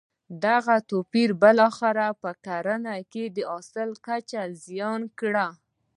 دغه توپیر بالاخره په کرنه کې د حاصل کچه زیانه کړه.